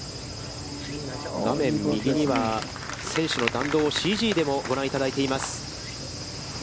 画面右には選手の弾道をＣＧでもご覧いただいています。